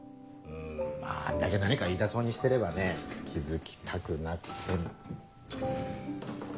んまぁあんだけ何か言いたそうにしてればね気付きたくなくても。